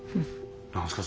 何すか？